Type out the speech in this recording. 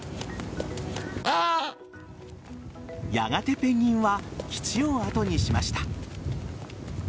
やがてペンギンは基地を後にしました。